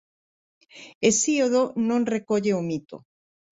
Hesíodo non recolle o mito.